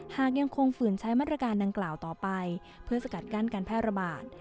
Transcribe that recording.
หากยังคงฝืนใช้มาตรการดังกล่าวต่อไปเพื่อสกัดกั้นการแพร่ระบาด